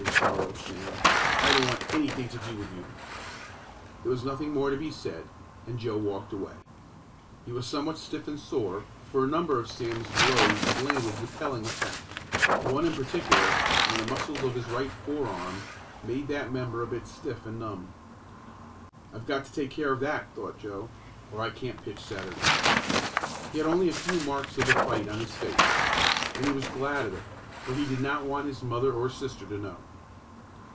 snarled Sam. "I don't want anything to do with you." There was nothing more to be said, and Joe walked away. He was somewhat stiff and sore, for a number of Sam's blows had landed with telling effect. One in particular, on the muscles of his right forearm, made that member a bit stiff and numb. "I've got to take care of that," thought Joe, "or I can't pitch Saturday." He had only a few marks of the fight on his face and he was glad of it, for he did not want his mother or sister to know.